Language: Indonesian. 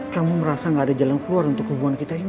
kamu merasa gak ada jalan keluar untuk hubungan kita ini